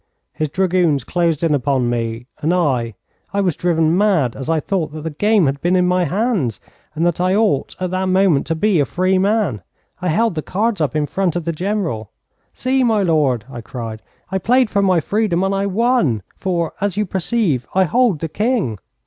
His dragoons closed in upon me, and I I was driven mad, as I thought that the game had been in my hands, and that I ought at that moment to be a free man. I held the cards up in front of the General. 'See, my lord!' I cried; 'I played for my freedom and I won, for, as you perceive, I hold the king.'